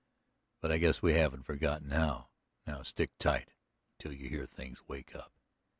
"But I guess we haven't forgotten how. Now, stick tight until you hear things wake up."